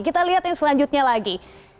kita lihat yang selanjutnya lagi